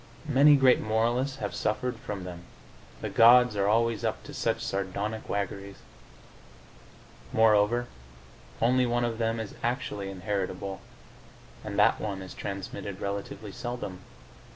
Many great moralists have suffered from them: the gods are always up to such sardonic waggeries. Moreover, only one of them is actually inheritable, and that one is transmitted relatively seldom.